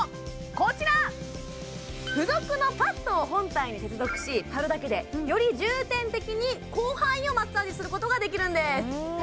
こちら付属のパッドを本体に接続し貼るだけでより重点的に広範囲をマッサージすることができるんです